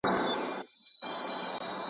بریالیتوب د وخت غوښتنه کوي.